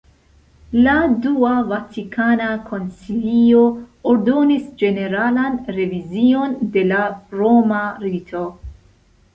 La Dua Vatikana Koncilio ordonis ĝeneralan revizion de la roma rito.